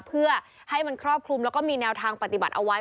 เพื่อให้มันครอบคลุมแล้วก็มีแนวทางปฏิบัติเอาไว้